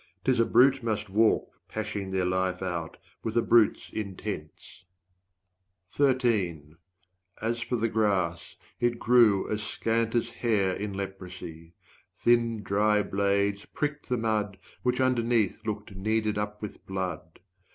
'tis a brute must walk Pashing their life out, with a brute's intents. As for the grass, it grew as scant as hair In leprosy; thin dry blades pricked the mud Which underneath looked kneaded up with blood.